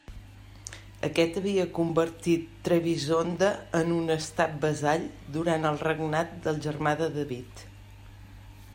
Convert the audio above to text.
Aquest havia convertit Trebisonda en un estat vassall durant el regnat del germà de David.